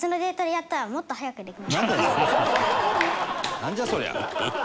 なんじゃそりゃ。